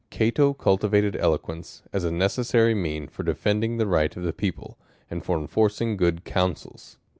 Cato cultivated eloquence, as a necessary mean for defending the rights of the people, and for enforcing good counsels."